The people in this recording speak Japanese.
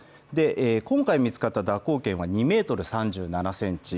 今回見つかった蛇行剣は２ｍ３７ｃｍ。